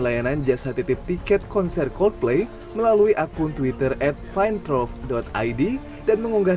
layanan jasa titip tiket konser coldplay melalui akun twitter at findrove id dan mengunggah